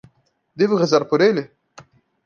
Devo rezar por ele?